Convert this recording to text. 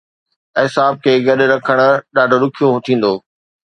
اعصاب کي گڏ رکڻ ڏاڍو ڏکيو ٿيندو.